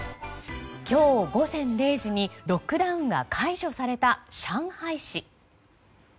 今日、午前０時にロックダウンが解除された上海市。